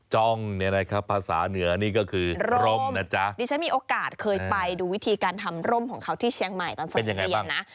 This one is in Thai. จ้องเนี่ยนะครับภาษาเหนือนี่ก็คือร่มนะจ๊ะดิฉันมีโอกาสเคยไปดูวิธีการทำร่มของเขาที่เชียงใหม่ตอนสมัยเรียนนะ